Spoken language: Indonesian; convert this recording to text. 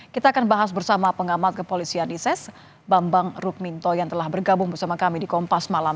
kita akan bahas bersama pengamat kepolisian ises bambang rukminto yang telah bergabung bersama kami di kompas malam